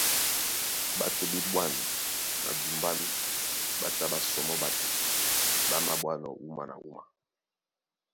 Ɓato ɓá eɓwân na ndumbá ɓá tá ɓá sɔmɔ́ ɓato ɓá maɓwánɔ̄ wúma na wúma.